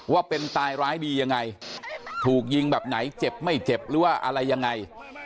ว่าเป็นตายร้ายดียังไงถูกยิงแบบไหนเจ็บไม่เจ็บหรือว่าอะไรยังไง